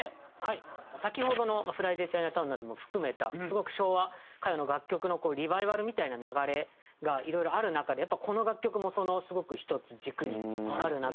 先ほどの『フライディ・チャイナタウン』なども含めたすごく昭和歌謡の楽曲のリバイバルみたいな流れがいろいろある中でやっぱこの楽曲もすごく１つ軸にあるなといいますか。